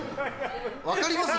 分かります？